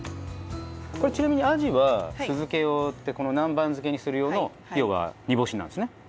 これちなみにアジは酢漬用ってこの南蛮漬けにする用の要は煮干しなんですね。